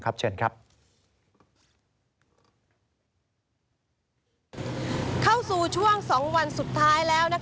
เข้าสู่ช่วง๒วันสุดท้ายแล้ว